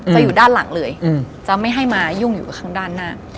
จะอยู่ด้านหลังเลยจะไม่ให้มายุ่งอยู่ข้างด้านหน้า